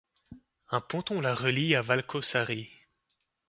Un ponton la relie à Valkosaari.